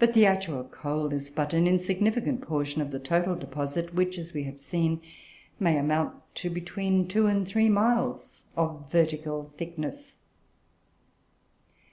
But the actual coal is but an insignificant portion of the total deposit, which, as has been seen, may amount to between two and three miles of vertical thickness.